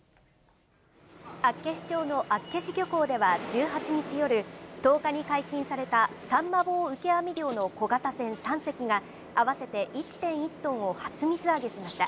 厚岸町の厚岸漁港では１８日夜、１０日に解禁されたサンマ棒受け網漁の小型船３隻が、合わせて１．１トンを初水揚げしました。